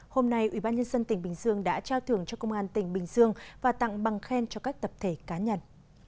hôm nay ubnd tỉnh bình dương đã trao thưởng cho công an tỉnh bình dương và tặng bằng khen cho các tập thể cá nhân